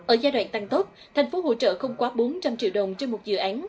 ở giai đoạn tăng tốt thành phố hỗ trợ không quá bốn trăm linh triệu đồng trên một dự án